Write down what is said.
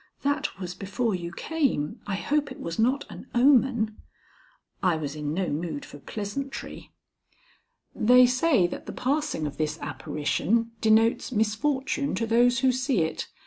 "That was before you came. I hope it was not an omen." I was in no mood for pleasantry. "They say that the passing of this apparition denotes misfortune to those who see it.